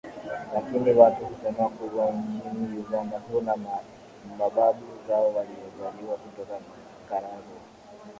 Lakini watu husema kuwa nchini Uganda kuna mababu zao waliozaliwa kutoka Karagwe